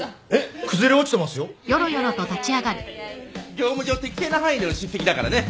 業務上適正な範囲での叱責だからね。